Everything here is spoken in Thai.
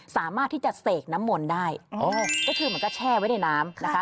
สามารถที่จะเสกน้ำมนต์ได้อ๋อก็คือเหมือนกับแช่ไว้ในน้ำนะคะ